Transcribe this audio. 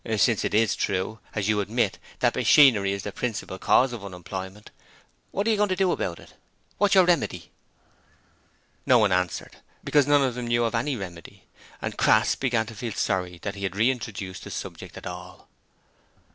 Since it IS true as you admit that machinery is the principal cause of unemployment, what are you going to do about it? What's your remedy?' No one answered, because none of them knew of any remedy: and Crass began to feel sorry that he had re introduced the subject at all.